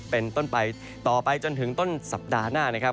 เป็นต้นไปต่อไปจนถึงต้นสัปดาห์หน้านะครับ